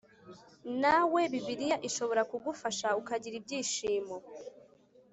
Nawe Bibiliya ishobora kugufasha ukagira ibyishimo